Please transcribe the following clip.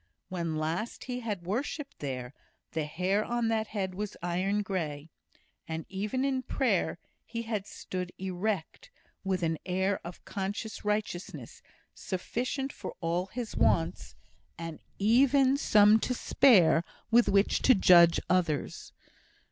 When last he had worshipped there, the hair on that head was iron grey, and even in prayer he had stood erect, with an air of conscious righteousness sufficient for all his wants, and even some to spare with which to judge others.